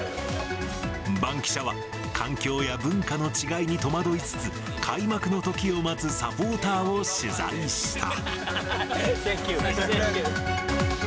バンキシャ！は、環境や文化の違いに戸惑いつつ、開幕のときを待つサポーターを取材した。